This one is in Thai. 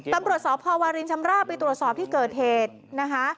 ตำรวจสพวารินชำราบไปตรวจสอบที่เกิดเหตุนะคะ